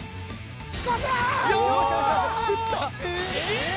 こちら！